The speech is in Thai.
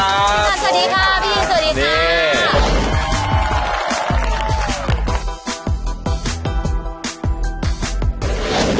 สวัสดีค่ะพี่ยิ่งสวัสดีค่ะ